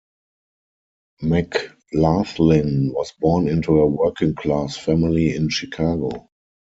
McLaughlin was born into a working class family in Chicago.